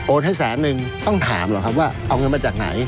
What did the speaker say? ให้แสนนึงต้องถามเหรอครับว่าเอาเงินมาจากไหน